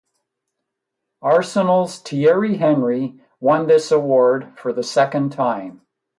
Arsenal's Thierry Henry won this award for the second time.